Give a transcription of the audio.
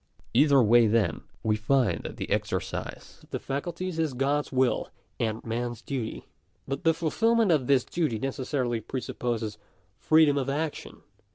Either way then, we find that the exercise of ithe facul ties is God's will and man's duty. » But the fulfilment of this duty necessarily presupposes free 'dom of action.